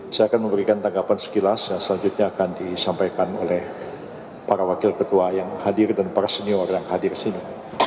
saya akan memberikan tanggapan sekilas yang selanjutnya akan disampaikan oleh para wakil ketua yang hadir dan para senior yang hadir di sini